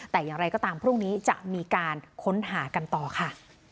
แต่อย่างไรก็ตามพรุ่งนี้จะมีการค้นหากันต่อค่ะ